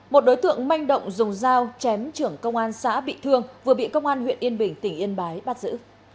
một đối tượng manh động dùng dao chém trưởng công an xã bị thương vừa bị công an huyện yên bình tỉnh yên bái bắt giữ